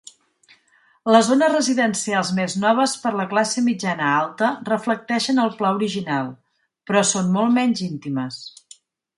Les zones residencials més noves per la classe mitjana-alta reflecteixen el pla original, però són molt menys íntimes.